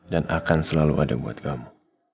dan akan selalu ada buat kamu